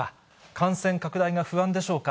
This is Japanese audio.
感染拡大が不安でしょうか。